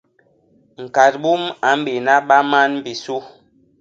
ñkadbum a mbéna ba man bisu.